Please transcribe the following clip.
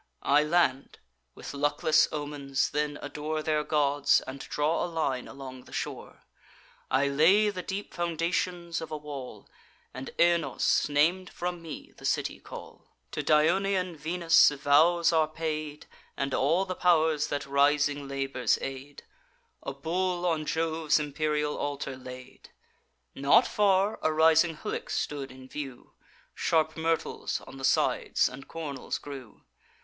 I land; with luckless omens, then adore Their gods, and draw a line along the shore; I lay the deep foundations of a wall, And Aenos, nam'd from me, the city call. To Dionaean Venus vows are paid, And all the pow'rs that rising labours aid; A bull on Jove's imperial altar laid. Not far, a rising hillock stood in view; Sharp myrtles on the sides, and cornels grew.